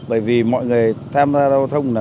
bởi vì mọi người tham gia giao thông